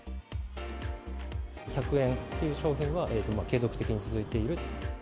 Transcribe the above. １００円という商品は、継続的に続いている。